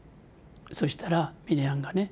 そしたらミネヤンがね